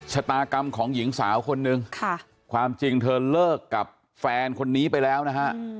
ชะตากรรมของหญิงสาวคนนึงความจริงเธอเลิกกับแฟนคนนี้ไปแล้วนะฮะ